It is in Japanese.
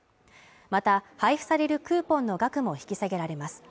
また配布されるクーポンの額も引き下げられます